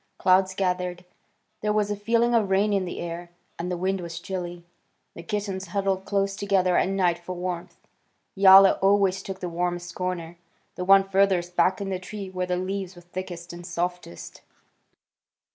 Clouds gathered. There was a feeling of rain in the air, and the wind was chilly. The kittens huddled close together at night for warmth. Yowler always took the warmest corner, the one furthest back in the tree where the leaves were thickest and softest.